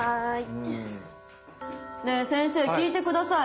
ねえ先生聞いて下さい。